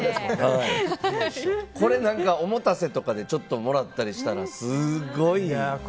これおもたせとかでちょっともらったりしたらすごいいい。